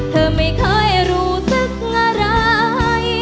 เธอไม่เคยรู้สึกงะลา